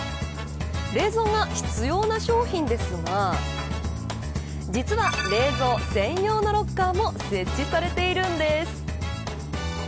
冷蔵が必要な商品ですが実は、冷蔵専用のロッカーも設置されているんです。